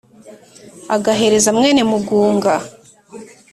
agahereza mwéne mugunga